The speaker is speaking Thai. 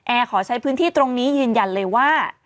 ขอใช้พื้นที่ตรงนี้ยืนยันเลยว่า